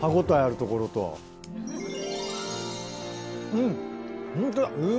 うんホントだ。